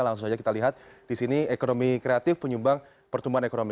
langsung saja kita lihat di sini ekonomi kreatif penyumbang pertumbuhan ekonomi